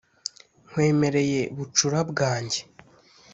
nkwemereye bucura bwanjye ».